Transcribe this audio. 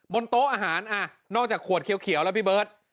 โต๊ะอาหารนอกจากขวดเขียวแล้วพี่เบิร์ต